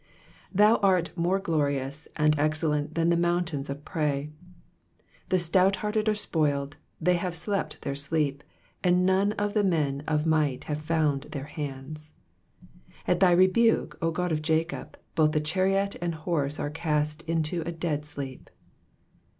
4 Thou art more glorious and excellent than the mountains of prey. 5 The stouthearted are spoiled, they have slept their sleep : and none of the men of might have found their hands. 6 At thy rebuke, O God of Jacob, both the chariot and horse are cast into a dead sleep.